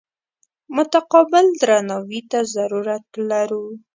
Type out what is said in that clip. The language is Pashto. متقابل درناوي ته ضرورت لرو.